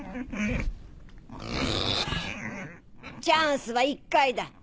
チャンスは１回だ。